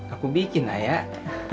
aku bikin ayah